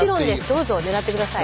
どうぞ狙って下さい。